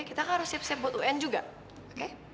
kita kan harus siap siap buat un juga